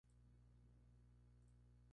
Químicamente es una sal de aluminio compleja.